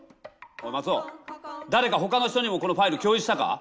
マツオだれかほかの人にもこのファイル共有したか？